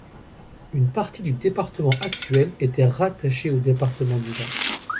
Une partie du département actuel était rattaché au département du Var.